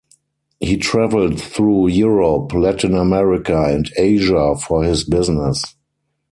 He traveled through Europe, Latin America, and Asia for his business.